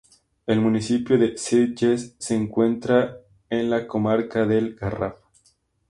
El municipio de Sitges se encuentra en la comarca del Garraf.